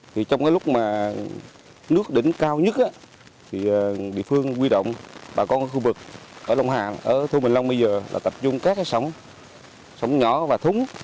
trong lúc nước đỉnh cao nhất địa phương quy động bà con khu vực ở lông hà thu bình long bây giờ tập trung các sống nhỏ và thúng